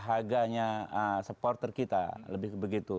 kita mengobati dahaganya supporter kita lebih begitu